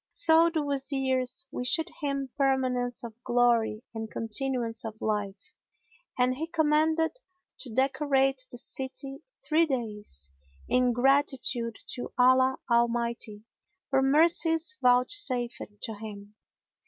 So the Wazirs wished him permanence of glory and continuance of life, and he commanded to decorate the city three days, in gratitude to Allah Almighty for mercies vouchsafed to him.